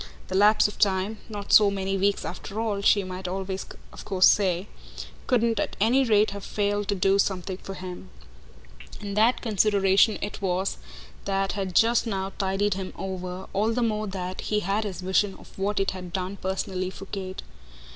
The lapse of time not so many weeks after all, she might always of course say couldn't at any rate have failed to do something for him; and that consideration it was that had just now tided him over, all the more that he had his vision of what it had done personally for Kate.